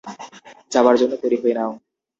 যাওয়ার জন্য তৈরি হয়ে নাও।